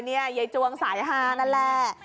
ยายจวงสายฮานั่นแหละ